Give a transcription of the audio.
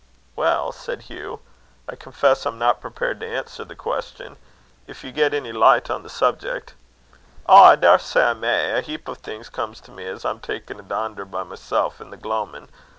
"Well," said Hugh, "I confess I'm not prepared to answer the question. If you get any light on the subject" "Ow, I daursay I may. A heap o' things comes to me as I'm takin' a daunder by mysel' i' the gloamin'.